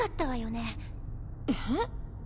えっ？